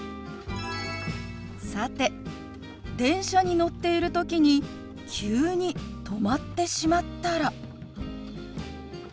さて電車に乗っている時に急に止まってしまったら。